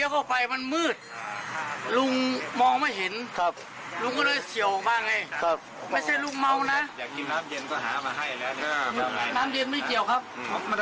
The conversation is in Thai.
คือเลี้ยวเข้าไปมันมืด